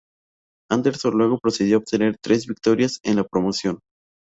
Anderson luego procedió a obtener tres victorias en la promoción.